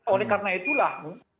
oleh karena itulah